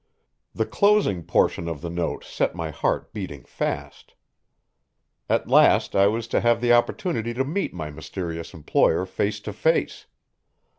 The closing portion of the note set my heart beating fast. At last I was to have the opportunity to meet my mysterious employer face to face.